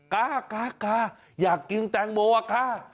กากากาอยากกินแตงโมอะกา